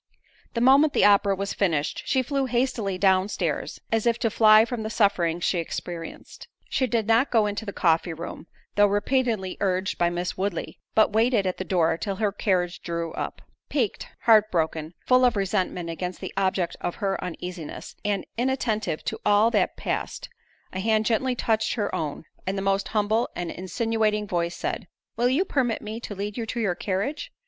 The moment the opera was finished, she flew hastily down stairs, as if to fly from the sufferings she experienced. She did not go into the coffee room, though repeatedly urged by Miss Woodley, but waited at the door till her carriage drew up. Piqued—heart broken—full of resentment against the object of her uneasiness, and inattentive to all that passed, a hand gently touched her own; and the most humble and insinuating voice said, "Will you permit me to lead you to your carriage?"